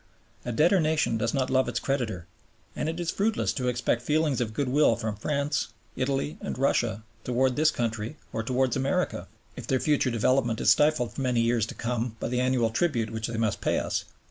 A debtor nation does not love its creditor, and it is fruitless to expect feelings of goodwill from France, Italy, and Russia towards this country or towards America, if their future development is stifled for many years to come by the annual tribute which they must pay us.